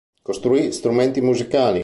Costruì strumenti musicali.